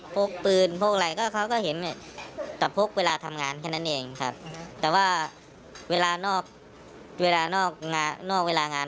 โพกปืนพวกอะไรก็เขาก็เห็นกับพวกเวลาทำงานและเวลานอกงาน